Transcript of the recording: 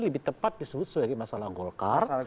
lebih tepat disebut sebagai masalah golkar